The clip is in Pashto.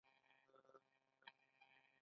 د نجونو تعلیم د ښځو باور زیاتولو مرسته ده.